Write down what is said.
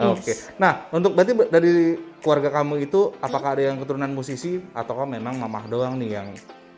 oke nah untuk berarti dari keluarga kamu itu apakah ada yang keturunan musisi atau memang mamah doang nih yang